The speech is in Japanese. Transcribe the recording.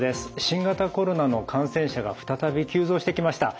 新型コロナの感染者が再び急増してきました。